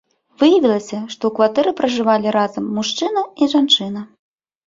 Выявілася, што ў кватэры пражывалі разам мужчына і жанчына.